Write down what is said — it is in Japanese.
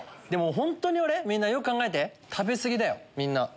本当にみんなよく考えて食べ過ぎだよみんな。